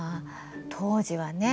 当時はね